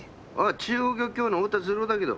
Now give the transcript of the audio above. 中央漁協の太田滋郎だけど。